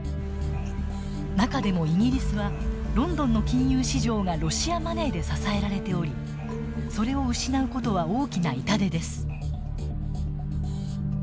中でもイギリスはロンドンの金融市場がロシアマネーで支えられておりそれを失う事は大きな痛手です。